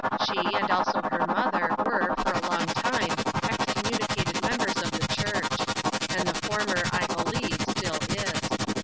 She, and also her mother, were, for a long time, excommunicated members of the Church ; and the former, I believe, still is.